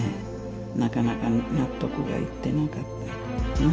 なかなか納得がいってなかったっていうかな。